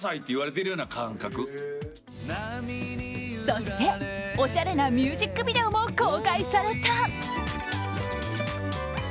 そして、おしゃれなミュージックビデオも公開された。